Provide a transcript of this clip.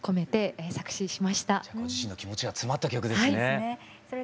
じゃあご自身の気持ちが詰まった曲ですね。